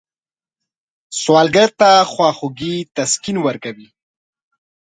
سوالګر ته خواخوږي تسکین ورکوي